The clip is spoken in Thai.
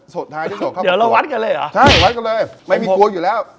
สุดท้ายจะโดดเข้ามากกว่าใช่วัดกันเลยไม่มีกลัวอยู่แล้ว